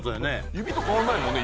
指と変わらないもんね